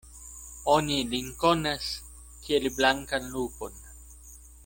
Oni lin konas, kiel blankan lupon.